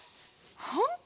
ほんと？